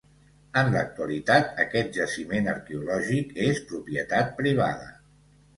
En l'actualitat aquest jaciment arqueològic és propietat privada.